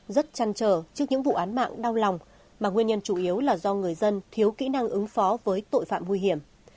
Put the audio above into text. rất chăn trở trước những vụ án mạng đau lòng mà nguyên nhân chủ yếu là do người dân thiếu kỹ năng ứng phó với tội phạm nguy hiểm